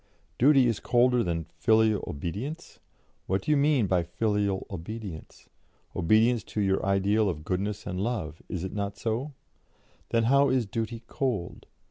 Duty is colder than 'filial obedience'? What do you mean by filial obedience? Obedience to your ideal of goodness and love is it not so? Then how is duty cold?